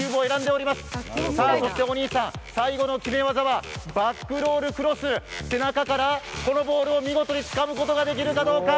お兄さん、最後の決め技はバックロールクロス、背中からこのボールを見事につかむことが出来るかどうか。